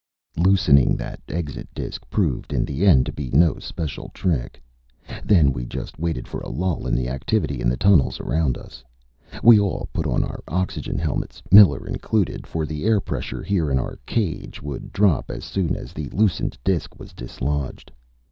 Loosening that exit disc proved in the end to be no special trick. Then we just waited for a lull in the activity in the tunnels around us. We all put on our oxygen helmets, Miller included, for the air pressure here in our "cage" would drop as soon as the loosened disc was dislodged.